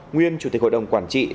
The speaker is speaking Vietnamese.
nguyên chủ tịch hội đồng quản trị